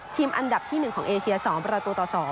อันดับที่๑ของเอเชีย๒ประตูต่อ๒